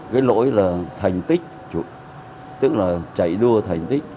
cái lỗi là thành tích tức là chạy đua thành tích